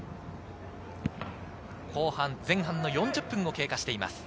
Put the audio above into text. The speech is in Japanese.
後半、前半４０分を経過しています。